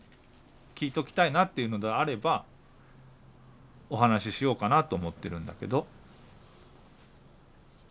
「聞いときたいな」っていうのであればお話ししようかなと思ってるんだけど。